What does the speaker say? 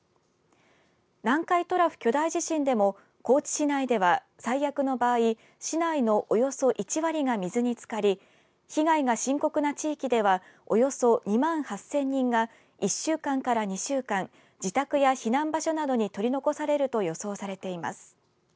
南海トラフ巨大地震でも高知市内では、最悪の場合市内のおよそ１割が水につかり被害が深刻な地域ではおよそ２万８０００人が１週間から２週間自宅や避難場所などに取り残されると予想されています。